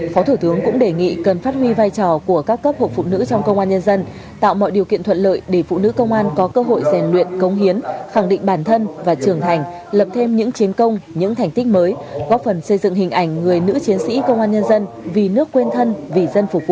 phó thủ tướng đề nghị những tấm gương phụ nữ công an nhân dân nói chung phải tiếp tục học tập